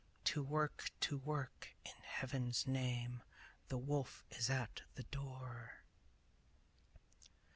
To work! To work! In Heaven's name! The wolf is at the door!